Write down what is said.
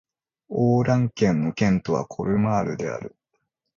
オー＝ラン県の県都はコルマールである